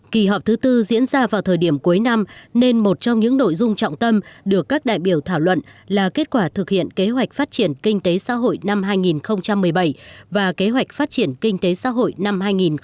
kỳ họp thứ tư diễn ra vào thời điểm cuối năm nên một trong những nội dung trọng tâm được các đại biểu thảo luận là kết quả thực hiện kế hoạch phát triển kinh tế xã hội năm hai nghìn một mươi bảy và kế hoạch phát triển kinh tế xã hội năm hai nghìn một mươi chín